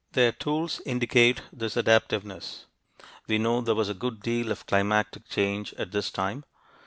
Their tools indicate this adaptiveness. We know there was a good deal of climatic change at this time.